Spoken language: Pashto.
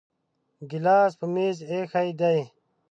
ګلاس په میز ایښی دی